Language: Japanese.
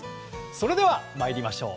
それでは参りましょう。